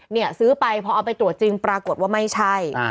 เนี่ยซื้อไปพอเอาไปตรวจจริงปรากฏว่าไม่ใช่